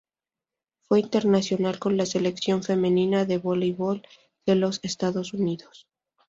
Fue internacional con la Selección femenina de voleibol de los Estados Unidos.